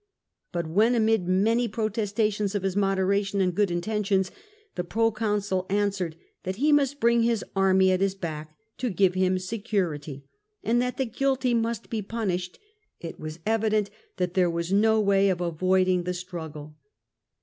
But when, amid many protestations of his moderation and good intentions, the proconsul answered that he must bring his army at his back to give him security, and that the guilty must be punished, it was evident that there was no way of avoid ing the struggle.